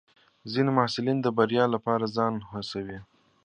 ځینې محصلین د بریا لپاره ځان هڅوي.